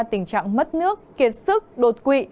tình trạng mất nước kiệt sức đột quỵ